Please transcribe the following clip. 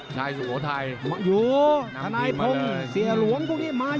ชายสุโขทัยอยู่ชายสุโขทัยก่อนขึ้นมาเลย